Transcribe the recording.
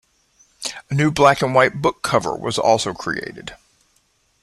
A new black-and-white book cover was also created.